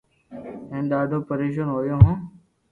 ھين ڌاڌو پرآݾون ھويو ھون